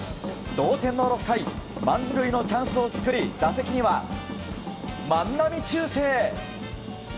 同点の６回満塁のチャンスを作り打席には万波中正。